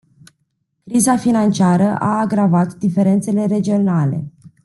Criza financiară a agravat diferențele regionale.